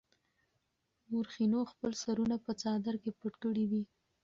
مورخينو خپل سرونه په څادر کې پټ کړي دي.